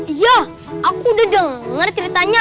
iya aku udah denger ceritanya